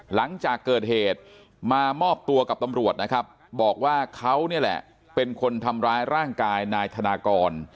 หลังจากเกิดเหตุมามอบตัวกับตำรวจนะครับบอกว่าเขานี่แหละเป็นคนทำร้ายร่างกายนายธนากร